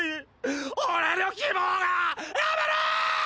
俺の希望がぁやめろぉ！